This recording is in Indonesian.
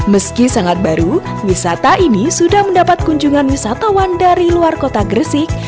meski sangat baru wisata ini sudah mendapat kunjungan wisatawan dari luar kota gresik